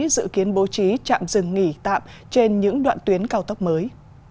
dự kiến bố trí chạm dừng nghỉ tạm trên những đoạn tuyến cao tốc mới